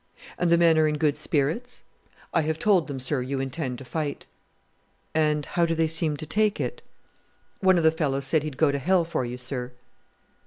"And the men are in good spirits?" "I have told them, sir, you intend to fight." "And how do they seem to take it?" "One of the fellows said he'd go to hell for you, sir."